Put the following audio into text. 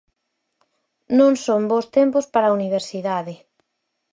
Non son bos tempos para a universidade.